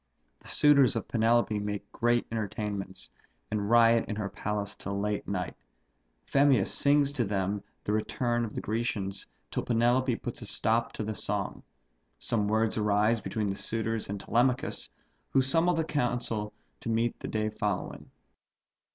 The suitors of Penelope make great entertainments, and riot in her palace till night. Phemius sings to them the return of the Grecians, till Penelope puts a stop to the song. Some words arise between the suitors and Telemachus, who summons the council to meet the day following.